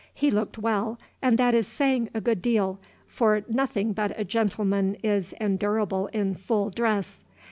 He looked well and that is saying a good deal; for nothing but a gentleman is endurable in full dress.